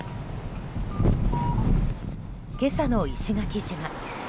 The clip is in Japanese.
今朝の石垣島。